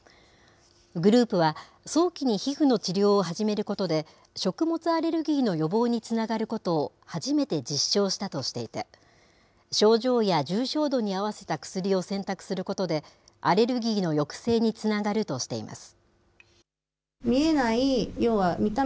グループは、早期に皮膚の治療を始めることで、食物アレルギーの予防につながることを、初めて実証したとしていて、症状や重症度に合わせた薬を選択することで、アレルギーの抑制につながるとしています。